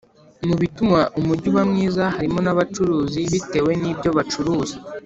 Mu bituma umujyi uba mwiza harimo n’abacuruzi bitewe nibyo bacuruza